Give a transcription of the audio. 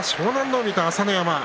海と朝乃山。